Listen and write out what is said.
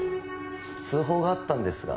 通報があったんですが。